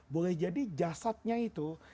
boleh jadi jasadnya itu